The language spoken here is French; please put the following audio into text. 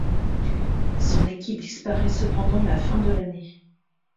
Son équipe disparaît cependant à la fin de l'année.